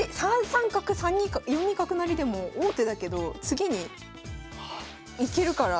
３三角４二角成でも王手だけど次にいけるから。